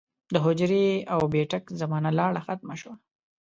د حجرې او بېټک زمانه لاړه ختمه شوه